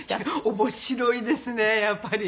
面白いですねやっぱり。